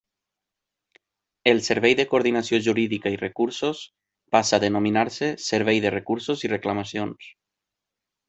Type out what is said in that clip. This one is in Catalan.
El Servei de Coordinació Jurídica i Recursos passa a denominar-se Servei de Recursos i Reclamacions.